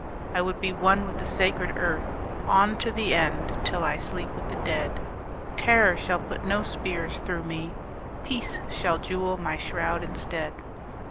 I would be one with the sacred earth On to the end, till I sleep with the dead. Terror shall put no spears through me. Peace shall jewel my shroud instead.